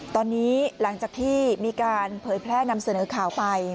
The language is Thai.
ตอนนี้หลังจากที่มีการเผยแพร่นำเสนอข่าวไป